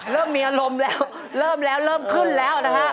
เริ่มมีอารมณ์แล้วเริ่มแล้วเริ่มขึ้นแล้วนะฮะ